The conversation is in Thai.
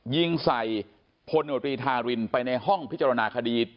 ยิงใส่พลโนตรีทารินไปในห้องพิจารณาคดี